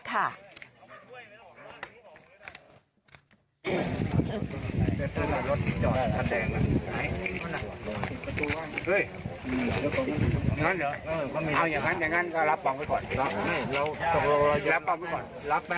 รับป่ะ